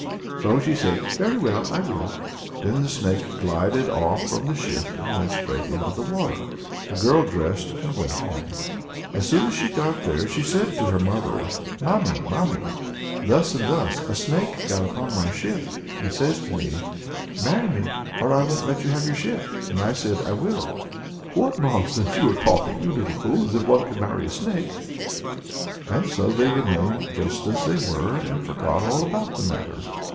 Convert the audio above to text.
So she said, "Very well, I will." Then the snake glided off from the shift, and went straight into the water. The girl dressed and went home. And as soon as she got there, she said to her mother, "Mammie, mammie, thus and thus, a snake got upon my shift, and says he, 'Marry me or I won't let you have your shift;' and I said, 'I will.'" "What nonsense are you talking, you little fool! as if one could marry a snake!" And so they remained just as they were, and forgot all about the matter.